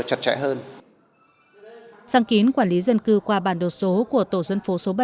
sáng kiến quản lý dân cư qua bản đồ số của tổ dân phố số bảy